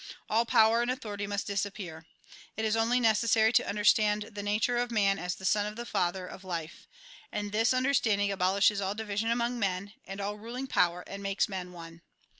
All power and authority must disappear. It is only necessary to under stand the nature of man as the son of the Father of life, and this understanding al)olishes all division among men, and all ruling power, and makes men one."